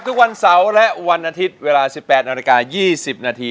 ทุกวันเสาร์และวันอาทิตย์เวลา๑๘นาฬิกา๒๐นาที